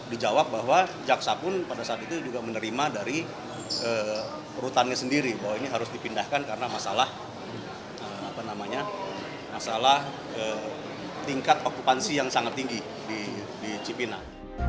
dijawab bahwa jaksa pun pada saat itu juga menerima dari rutannya sendiri bahwa ini harus dipindahkan karena masalah tingkat okupansi yang sangat tinggi di cipinang